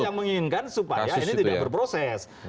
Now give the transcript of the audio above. mereka mereka yang menginginkan supaya ini tidak berproses